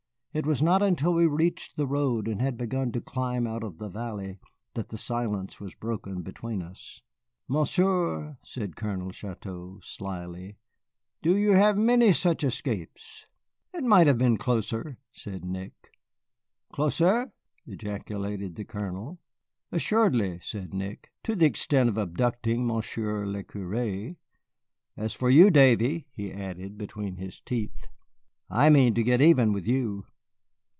It was not until we reached the road and had begun to climb out of the valley that the silence was broken between us. "Monsieur," said Colonel Chouteau, slyly, "do you have many such escapes?" "It might have been closer," said Nick. "Closer?" ejaculated the Colonel. "Assuredly," said Nick, "to the extent of abducting Monsieur le curé. As for you, Davy," he added, between his teeth, "I mean to get even with you."